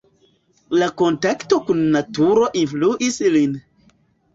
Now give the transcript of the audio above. La kontakto kun naturo influis lin.